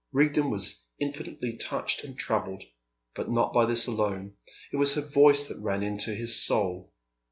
Rigden was infinitely touched and troubled, but not by this alone. It was her voice that ran into his soul.